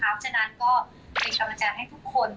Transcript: เพราะฉะนั้นก็เป็นกำลังใจให้ทุกคน